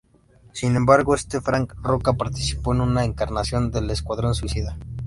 Sin embargo, este Frank Roca participó en una encarnación del Escuadrón Suicida.